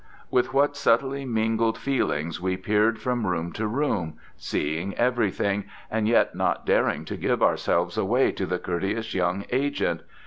With what subtly mingled feelings we peered from room to room, seeing everything, and yet not daring to give ourselves away to the courteous young agent.